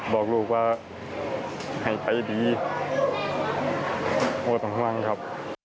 บอกลูกว่าหายใจดีโหดต่างครับ